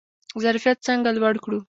ظرفیت څنګه لوړ کړو؟